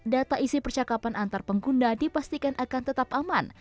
data isi percakapan antar pengguna dipastikan akan tetap aman